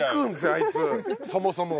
あいつそもそも。